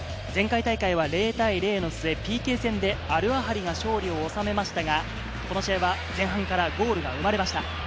前回大会は０対０の末、ＰＫ戦でアルアハリが勝利を収めましたが、この試合は前半からゴールが生まれました。